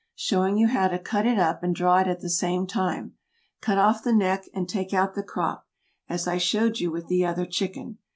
Showing you how to cut it up and draw it at the same time. Cut off the neck and take out the crop, as I showed you with the other chicken.